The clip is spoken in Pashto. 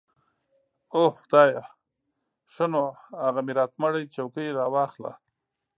اوح خدايه ښه نو اغه ميراتمړې چوکۍ راواخله.